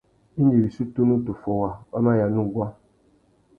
Indi wissú tunu tu fôwa, wa mà yāna uguá.